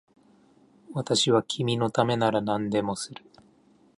私は君のためなら何でもする